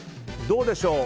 どうでしょう？